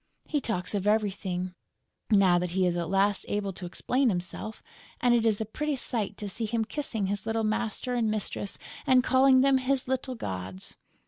He talks of everything, now that he is at last able to explain himself; and it is a pretty sight to see him kissing his little master and mistress and calling them "his little gods!"